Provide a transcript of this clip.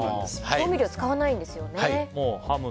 調味料を使わないんですよね。